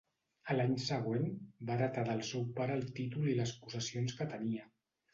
A l'any següent, va heretar del seu pare el títol i les possessions que tenia.